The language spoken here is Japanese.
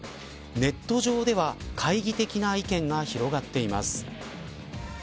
ネット上では懐疑的な意見が広がっています。